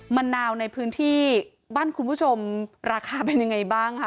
มะนาวในพื้นที่บ้านคุณผู้ชมราคาเป็นยังไงบ้างค่ะ